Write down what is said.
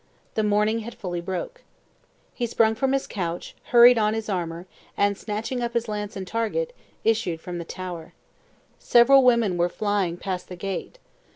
The morning had fully broke. He sprung from his couch, hurried on his armor, and snatching up his lance and target, issued from the tower. Several women were flying past the gate.